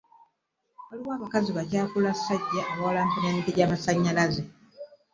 Waliwo abakazi ba kyakula sajja abawalampa nemiti gyamazanyalaze.